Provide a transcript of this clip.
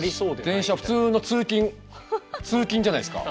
電車普通の通勤通勤じゃないですか。